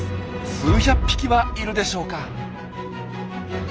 数百匹はいるでしょうか。